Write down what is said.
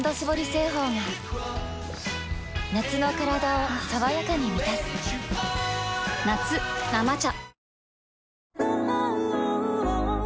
製法が夏のカラダを爽やかに満たす夏「生茶」